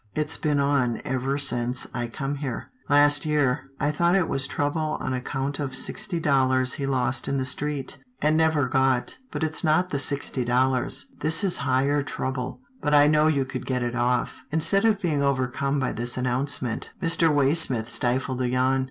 It's been on ever since I come here. Last year, I thought it was trouble on account of sixty dollars he lost in the street, and A CALL ON THE MERCHANT 61 never got, but it's not the sixty dollars. This is higher trouble, but I know you could get it off." Instead of being overcome by this announcement, Mr. Waysmith stifled a yawn.